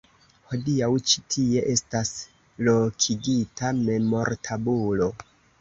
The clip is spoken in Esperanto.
Hodiaŭ ĉi tie estas lokigita memortabulo.